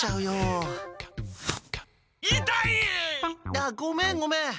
あっごめんごめん！